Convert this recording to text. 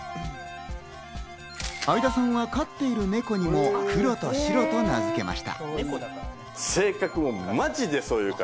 相田さんは飼っている猫にもクロとシロと名付けました。